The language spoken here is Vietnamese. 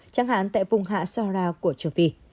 chẳng hạn tại vùng hạ sahara của châu phi